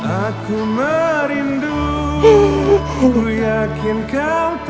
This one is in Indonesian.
aku merasa terlalu takut